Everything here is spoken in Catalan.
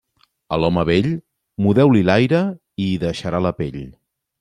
A l'home vell, mudeu-li l'aire i hi deixarà la pell.